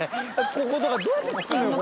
こことかどうやって付くのよ